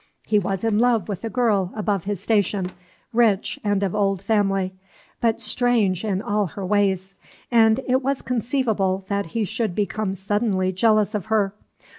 He was in love with a girl above his station, rich, and of old family, but strange in all her ways, and it was conceivable that he should become suddenly jealous of her.